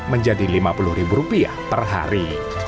menjadi rp lima puluh ribu rupiah per hari